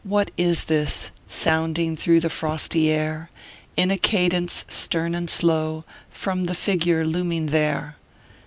what is this Sounding through the frosty air, In a cadence stern and slow, From the figure looming there